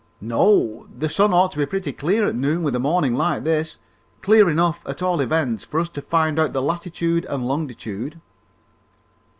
"No; the sun ought to be pretty clear at noon with a morning like this clear enough, at all events, for us to find out the latitude and longitude."